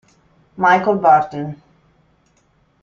Michael Burton